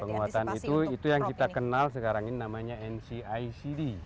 penguatan itu itu yang kita kenal sekarang ini namanya ncicd